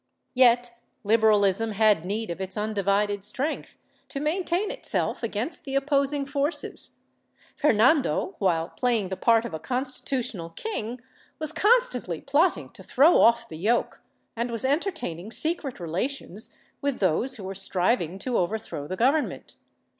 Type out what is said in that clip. Yet Liberalism had need of its undivided strength to maintain itself against the opposing forces. Fernando, w^hile playing the part of a constitutional king, was constantly plotting to throw off the yoke, and w^as entertaining secret relations with those who were striving to overthrow the Government.